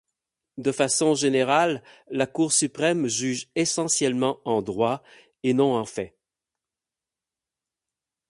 De façon générale, la Cour suprême juge essentiellement en droit, et non en fait.